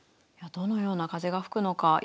どのような風が吹くのか